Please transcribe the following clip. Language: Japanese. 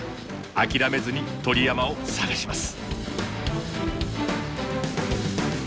諦めずに鳥山を探します。